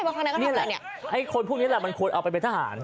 บางครั้งนั้นก็ทำอะไรเนี่ยไอ้คนพูดนี้แหละมันควรเอาไปเป็นทหาร